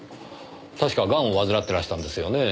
確かガンを患ってらしたんですよね？